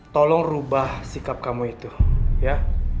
tolong rubah sikap kamu itu ya